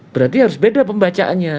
berarti harus beda pembacaannya